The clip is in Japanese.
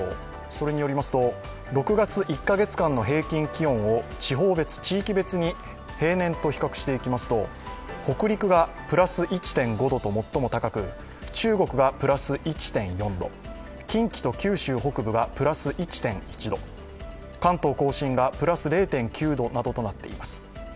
それによりますと、６月１カ月間の平均気温を地方別・地域別に平年と比較していきますと、北陸がプラス１．５度と最も高く中国がプラス１．４度、近畿と九州北部がプラス１．１度、関東甲信がプラス０．９度などとなっています。